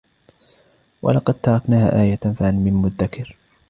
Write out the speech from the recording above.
وَلَقَد تَّرَكْنَاهَا آيَةً فَهَلْ مِن مُّدَّكِرٍ